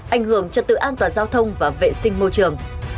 ảnh hưởng trật tự an toàn giao thông và vệ sinh môi trường